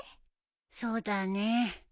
そうだね。